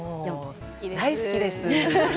大好きです。